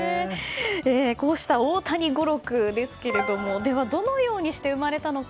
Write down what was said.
こうした大谷語録ですがどのようにして生まれたのか。